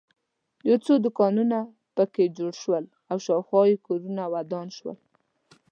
یو څو دوکانونه په کې جوړ شول او شاخوا یې کورونه ودان شول.